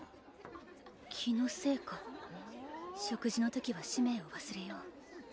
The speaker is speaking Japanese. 気のせいか食事の時は使命をわすれよう